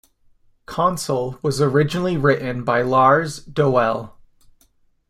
Konsole was originally written by Lars Doelle.